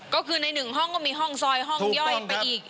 ก็คือในหนึ่งห้องก็มีห้องซอยห้องย่อยไปอีก